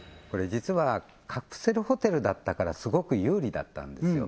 実はカプセルホテルだったからすごく有利だったんですよ